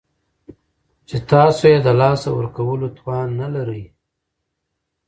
چې تاسو یې د لاسه ورکولو توان نلرئ